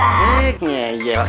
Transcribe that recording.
ya masalah lah